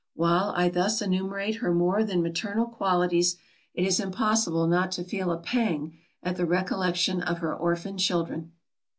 While I thus enumerate her more than maternal qualities, it is impossible not to feel a pang at the recollection of her orphan children!